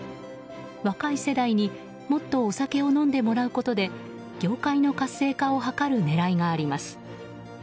若い世代にもっとお酒を飲んでもらうことで業界の活性化を図る狙いがあります。